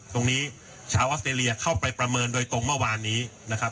ตรงนี้ชาวออสเตรเลียเข้าไปประเมินโดยตรงเมื่อวานนี้นะครับ